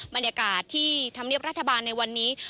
บรรยากาศที่ธรรมเนียบรัฐบาลในวันนี้